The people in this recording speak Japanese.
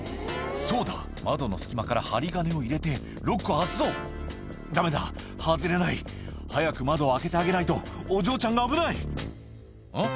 「そうだ窓の隙間から針金を入れてロックを外そう」「ダメだ外れない」「早く窓を開けてあげないとお嬢ちゃんが危ない」